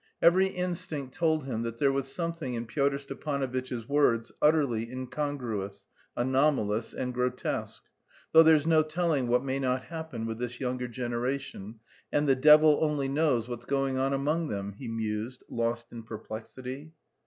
Every instinct told him that there was something in Pyotr Stepanovitch's words utterly incongruous, anomalous, and grotesque, "though there's no telling what may not happen with this 'younger generation,' and the devil only knows what's going on among them," he mused, lost in perplexity.